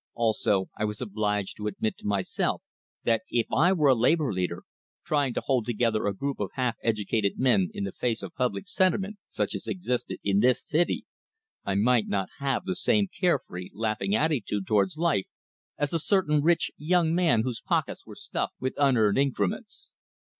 Also, I was obliged to admit to myself that if I were a labor leader, trying to hold together a group of half educated men in the face of public sentiment such as existed in this city, I might not have the same carefree, laughing attitude towards life as a certain rich young man whose pockets were stuffed with unearned increments.